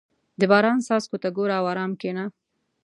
• د باران څاڅکو ته ګوره او ارام کښېنه.